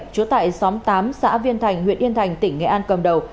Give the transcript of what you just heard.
trú tại xóm tám xã viên thành huyện yên thành tỉnh nghệ an cầm đầu